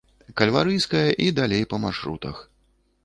Кальварыйская і далей па маршрутах.